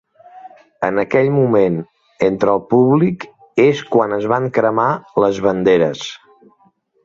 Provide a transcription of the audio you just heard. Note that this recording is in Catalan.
En aquell moment, entre el públic, és quan es van cremar les banderes.